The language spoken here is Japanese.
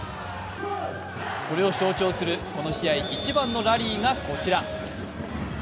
それを象徴する、この試合一番のラリーがこちら。